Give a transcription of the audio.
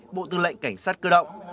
bộ tư lệ cảnh sát cơ động